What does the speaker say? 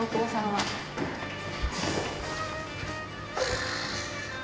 はあ。